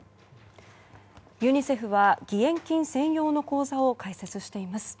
ユニセフは義援金専用の口座を開設しています。